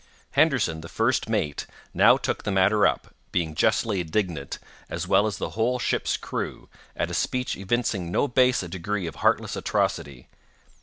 Henderson, the first mate, now took the matter up, being justly indignant, as well as the whole ship's crew, at a speech evincing so base a degree of heartless atrocity.